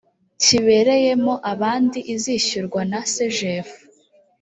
kibereyemo abandi izishyurwa na sgf